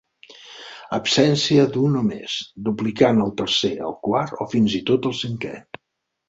Absència d"un o més; duplicant el tercer, el quart o fins i tot el cinquè.